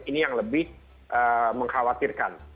ini yang lebih mengkhawatirkan